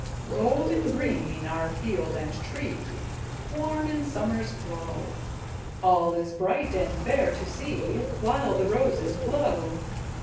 Gold and green are field and tree, Warm in summer's glow; All is bright and fair to see While the roses blow.